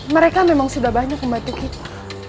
mereka memang sudah banyak membantu kita